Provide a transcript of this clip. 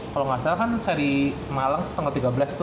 kalau gak salah kan seri malang tuh tanggal tiga belas tuh